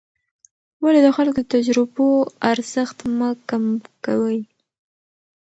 ولې د خلکو د تجربو ارزښت مه کم کوې؟